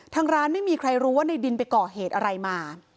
ทางร้านไม่มีใครรู้ว่าในดินไปก่อเหตุอะไรมา